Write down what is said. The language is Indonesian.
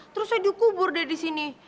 terus saya dikubur dia di sini